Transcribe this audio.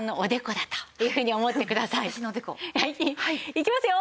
いきますよ！